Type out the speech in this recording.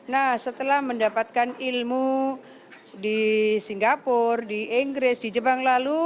nah setelah mendapatkan ilmu di singapura di inggris di jepang lalu